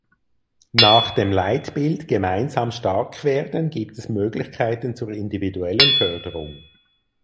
Nach dem Leitbild „Gemeinsam stark werden“ gibt es Möglichkeiten zur individuellen Förderung.